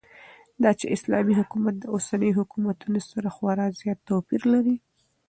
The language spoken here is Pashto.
داچې اسلامي حكومت داوسنيو حكومتونو سره خورا زيات توپير لري